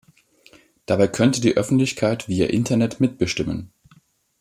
Dabei konnte die Öffentlichkeit via Internet mitbestimmen.